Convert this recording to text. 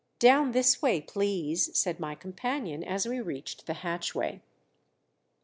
"Down this way, please," said my companion as we reached the hatchway.